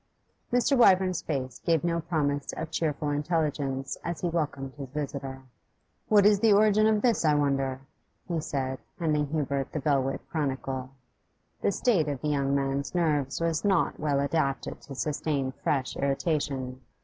Mr. Wyvern's face gave no promise of cheerful intelligence as he welcomed his visitor. 'What is the origin of this, I wonder?' he said, handing Hubert the 'Belwick Chronicle.' The state of the young man's nerves was not well adapted to sustain fresh irritation.